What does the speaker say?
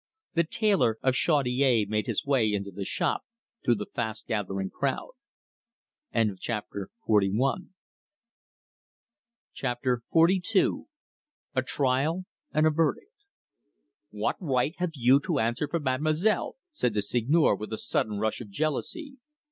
The tailor of Chaudiere made his way into the shop, through the fast gathering crowd. CHAPTER XLII. A TRIAL AND A VERDICT "What right have you to answer for mademoiselle?" said the Seigneur, with a sudden rush of jealousy.